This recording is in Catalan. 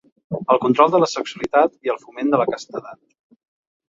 El control de la sexualitat i el foment de la castedat.